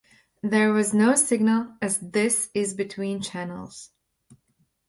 There was no signal, as this is between channels.